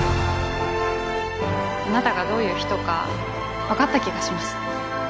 あなたがどういう人か分かった気がします